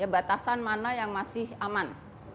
batasan mana yang masih aman